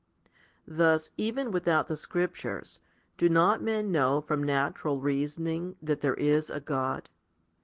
Thus, even without the scriptures, do not men know from natural reasoning that there is a God